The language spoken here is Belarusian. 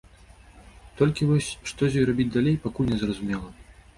Толькі вось што з ёй рабіць далей, пакуль незразумела.